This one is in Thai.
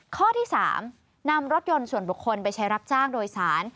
ข้อที่๓นำรถยนต์ส่วนบุคคลไปใช้รับจ้างโดยสาร